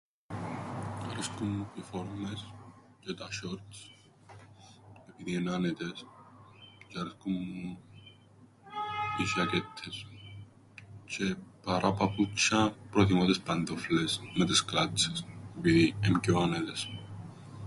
Αρέσκουν μου οι φόρμες τζ̆̀αι τα σ̆όρτς, επειδή εν' άνετες, τζ̆αι αρέσκουν μου οι ζ̆ακέττες, τζ̆αι παρά παπούτσ̆ια προτιμώ τες παντόφλες με τες κλάτσες επειδή εν' πιο άνετες.